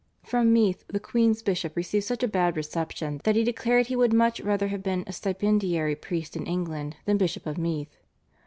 From Meath the queen's bishop received such a bad reception that he declared he would much rather have been a stipendiary priest in England than Bishop of Meath.